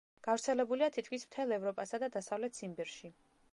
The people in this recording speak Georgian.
გავრცელებულია თითქმის მთელ ევროპასა და დასავლეთ ციმბირში.